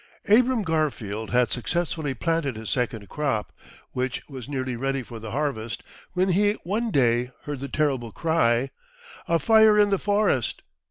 Abram Garfield had successfully planted his second crop, which was nearly ready for the harvest, when he one day heard the terrible cry, "A fire in the forest."